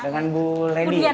dengan bu lady